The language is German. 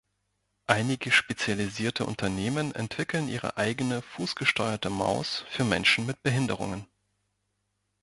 Einige spezialisierte Unternehmen entwickeln ihre eigene fußgesteuerte Maus für Menschen mit Behinderungen.